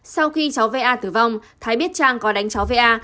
sau khi cháu va tử vong thái biết trang có đánh cháu va